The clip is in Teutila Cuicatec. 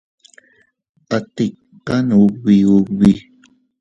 A tikan ubi ubi.